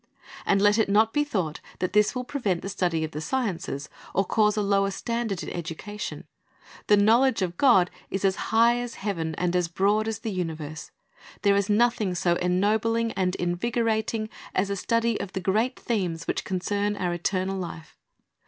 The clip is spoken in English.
And let it not be thought that this will prev^ent the study of the sciences, or cause a lower standard in educa tion. The knowledge of God is as high as heaven and as broad •^^ as the universe. ""■' There is nothing so ennobling and in vigorating as a study of the great themes which concern our eternal life.